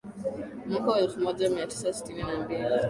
Mwaka wa elfu moja mia tisa sitini na mbili